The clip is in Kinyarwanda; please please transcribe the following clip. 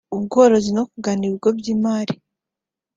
ubworozi no kugana ibigo by’imari